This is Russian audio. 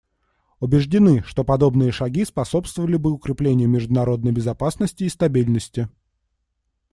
Убеждены, что подобные шаги способствовали бы укреплению международной безопасности и стабильности.